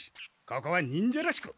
ここは忍者らしく。